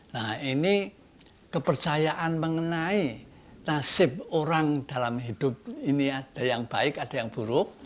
nah ini kepercayaan mengenai nasib orang dalam hidup ini ada yang baik ada yang buruk